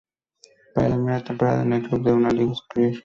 Para la primera temporada en el club de una liga superior.